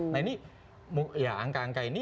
nah ini ya angka angka ini